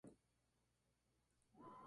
Macedonia mezcló el macedonio con el romaní.